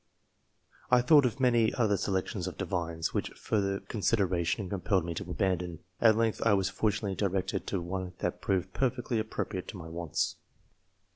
I thought of many other selections of Divines, which further consideration compelled me to abandon. At length I was fortunately directed to one that proved perfectly appropriate to my wants.